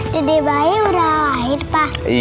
dede bayi sudah lahir pak